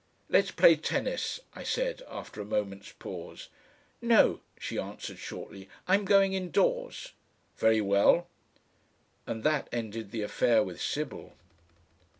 "Let's play tennis," I said, after a moment's pause. "No," she answered shortly, "I'm going indoors." "Very well." And that ended the affair with Sybil.